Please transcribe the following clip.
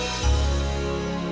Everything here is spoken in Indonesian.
jangan nampak kayak gitu lagi